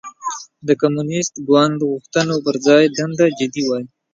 د کمونېست ګوند غوښتنو پر ځای دنده جدي وای.